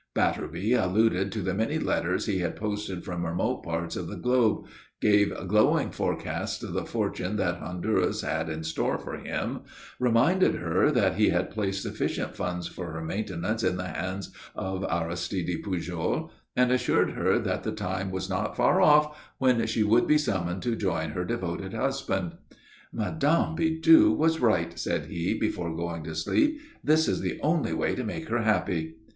Batterby alluded to the many letters he had posted from remote parts of the globe, gave glowing forecasts of the fortune that Honduras had in store for him, reminded her that he had placed sufficient funds for her maintenance in the hands of Aristide Pujol, and assured her that the time was not far off when she would be summoned to join her devoted husband. "Mme. Bidoux was right," said he, before going to sleep. "This is the only way to make her happy."